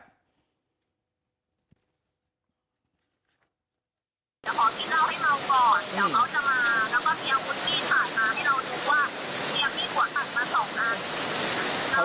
เขาได้ถ่ายรูปส่งให้พี่ดูไหม